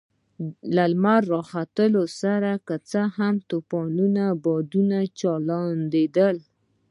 له لمر راختلو سره که څه هم طوفاني باد چلېده.